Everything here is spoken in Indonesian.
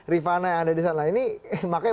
rifana yang ada di sana ini makanya